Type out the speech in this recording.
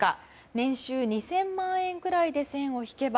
年収２０００万円ぐらいで線を引けば。